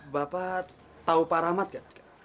bapak tahu pak rahmat gak